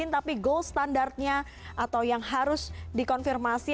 tapi goal standardnya atau yang harus dikonfirmasi